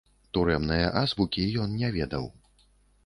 Турэмнае азбукі ён не ведаў.